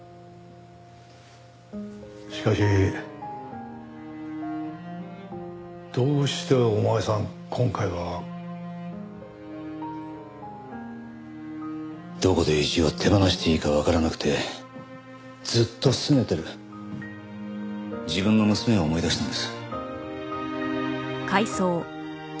しかしどうしてお前さん今回は？どこで意地を手放していいかわからなくてずっと拗ねてる自分の娘を思い出したんです。